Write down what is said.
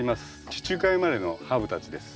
地中海生まれのハーブたちです。